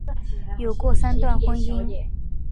有过三段婚姻。